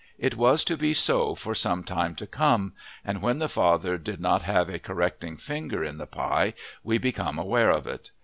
It was to be so for some time to come and when the father did not have a correcting finger in the pie we become aware of it.